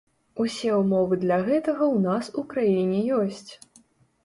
Усе ўмовы для гэтага ў нас у краіне ёсць.